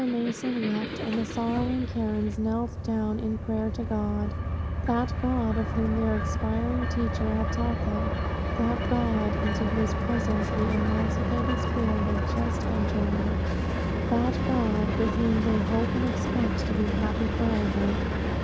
Mason wept, and the sorrowing Karens knelt down in prayer to God that God, of whom their expiring teacher had taught them that God, into whose presence the emancipated spirit was just entering that God, with whom they hope and expect to be happy forever.